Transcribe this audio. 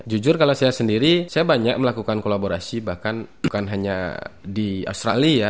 jujur kalau saya sendiri saya banyak melakukan kolaborasi bahkan bukan hanya di australia ya